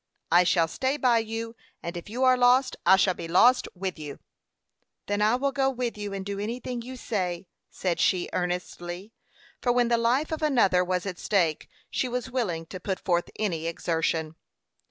"I shall stay by you, and if you are lost I shall be lost with you." "Then I will go with you, and do anything you say," said she, earnestly; for when the life of another was at stake, she was willing to put forth any exertion.